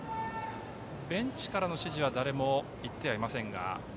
ベンチからの指示は誰も行ってはいません。